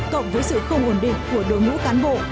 cộng với sự không ổn định của đối mũ cán bộ